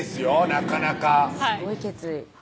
なかなかすごい決意